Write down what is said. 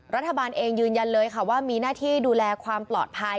รัฐบาลเองยืนยันเลยค่ะว่ามีหน้าที่ดูแลความปลอดภัย